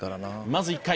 「まず１回」